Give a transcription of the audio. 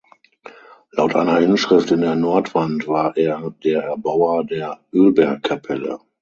Laut einer Inschrift in der Nordwand war er der Erbauer der Ölbergkapelle.